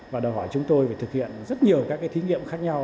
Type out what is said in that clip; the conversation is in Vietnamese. và đòi hỏi chúng tôi phải thực hiện rất nhiều các thí nghiệm khác nhau